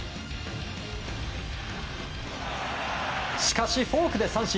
しかしフォークで三振。